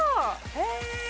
へえ！